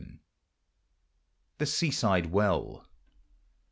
253 THE SEASIDE WELL.